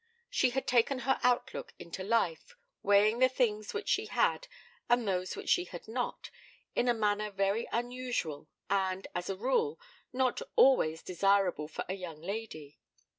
She had taken her outlook into life, weighing the things which she had and those which she had not, in a manner very unusual, and, as a rule, not always desirable for a young lady.